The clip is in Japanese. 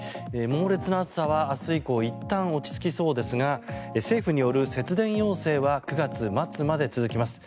猛烈な暑さは明日以降いったん落ち着きそうですが政府による節電要請は９月末まで続きます。